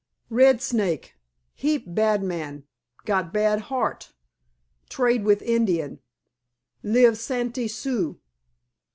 "Red Snake. Heap bad man. Got bad heart. Trade with Indian. Live Santee Sioux."